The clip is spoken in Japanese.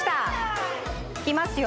いきますよ。